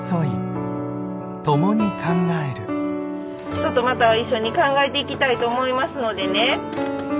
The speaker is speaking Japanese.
ちょっとまた一緒に考えていきたいと思いますのでね。